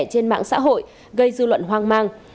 trên mạng xã hội gây dư luận hoang mang